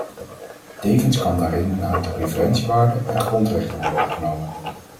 Tevens kan daarin een aantal referentiewaarden en grondrechten worden opgenomen.